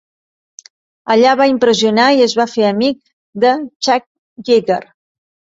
Allà va impressionar i es va fer amic de Chuck Yeager.